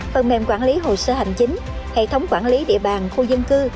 phần mềm quản lý hồ sơ hành chính hệ thống quản lý địa bàn khu dân cư